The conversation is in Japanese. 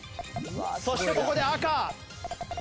そしてここで赤。